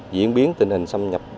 diễn biến tình hình xâm nhập